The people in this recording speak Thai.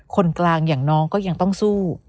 คนกลางอย่างน้องก็ยังต้องสู้